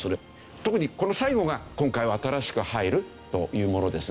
特にこの最後が今回は新しく入るというものですね。